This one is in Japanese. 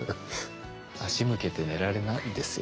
足向けて寝られないですよ。